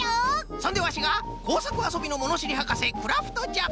そんでワシがこうさくあそびのものしりはかせクラフトじゃ！